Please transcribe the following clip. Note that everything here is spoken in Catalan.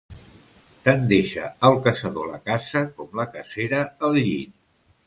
Tant deixa el caçador la caça com la cacera el llit.